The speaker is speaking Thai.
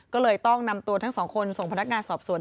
ก็เลยต้องนำตัวทั้งสองคนส่งพนักงานสอบสวน